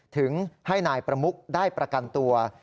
ถึงให้นายประมุกได้ประกันตัว